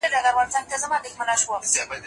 زمونږ هېواد به يو ځل بيا پرمختګ وکړي.